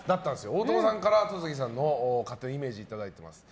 大友さんから戸次さんの勝手なイメージをいただいています。